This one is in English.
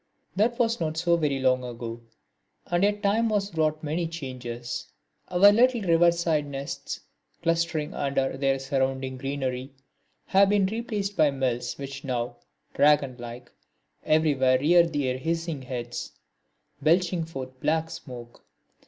That was not so very long ago, and yet time has wrought many changes. Our little river side nests, clustering under their surrounding greenery, have been replaced by mills which now, dragon like, everywhere rear their hissing heads, belching forth black smoke.